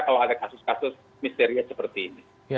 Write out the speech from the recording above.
kalau ada kasus kasus misteri seperti ini